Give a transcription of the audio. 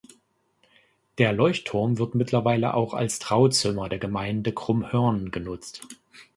Der Leuchtturm wird mittlerweile auch als Trauzimmer der Gemeinde Krummhörn genutzt.